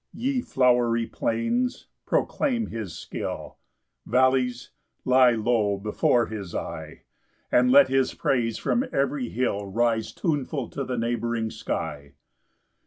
6 Ye flowery plains, proclaim his skill; Vallies, lie low before his eye; And let his praise from every hill Rise tuneful to the neighbouring sky.